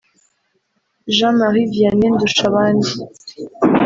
Jean Marie Vianney Ndushabandi